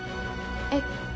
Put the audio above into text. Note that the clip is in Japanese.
えっ！？